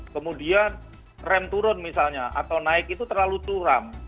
kemudian rem turun misalnya atau naik itu terlalu curam